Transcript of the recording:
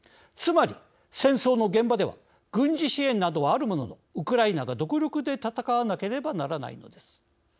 つまり戦争の現場では軍事支援などはあるもののウクライナが独力で戦わなければならないのです。